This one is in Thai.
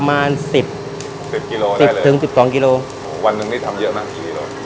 ประมาณสิบสิบกิโลสิบถึงสิบสองกิโลวันหนึ่งนี่ทำเยอะมากกี่กิโล